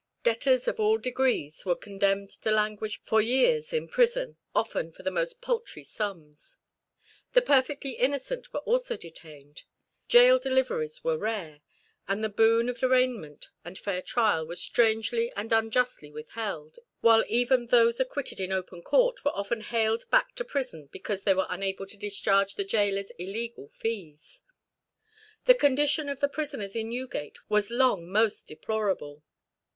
Debtors of all degrees were condemned to languish for years in prison, often for the most paltry sums. The perfectly innocent were also detained. Gaol deliveries were rare, and the boon of arraignment and fair trial was strangely and unjustly withheld, while even those acquitted in open court were often haled back to prison because they were unable to discharge the gaoler's illegal fees. The condition of the prisoners in Newgate was long most deplorable.